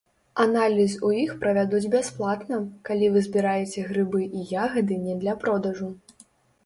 Аналіз у іх правядуць бясплатна, калі вы збіраеце грыбы і ягады не для продажу.